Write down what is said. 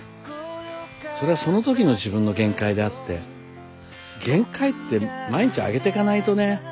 それはそのときの自分の限界であって限界って毎日上げてかないとね。